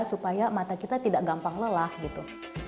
supaya mata kita tidak gampang lelah gitu